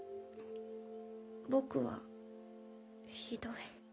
僕はひどい。